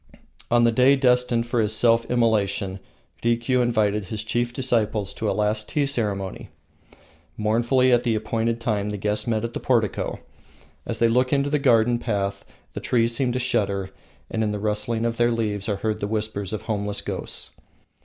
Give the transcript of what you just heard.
On the day destined for his self immolation, Rikiu invited his chief disciples to a last tea ceremony. Mournfully at the appointed time the guests met at the portico. As they look into the garden path the trees seem to shudder, and in the rustling of their leaves are heard the whispers of homeless ghosts.